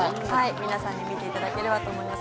皆さんに見ていただければと思います。